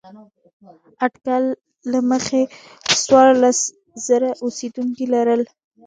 اټکل له مخې څوارلس زره اوسېدونکي لرل.